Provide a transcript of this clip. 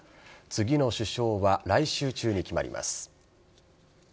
次の首相は、来週中に決まります。